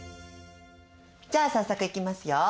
じゃあ早速いきますよ。